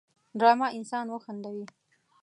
ډرامه انسان وخندوي